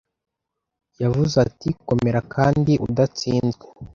Yavuze ati Komera kandi udatsinzwe